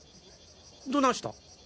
どないした？